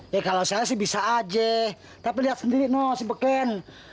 ya kalau saya sih bisa aja tapi lihat sendiri noh si peken